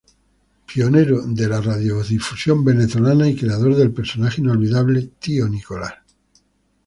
Pionero de la radiodifusión venezolana y creador del personaje inolvidable: Tío Nicolás.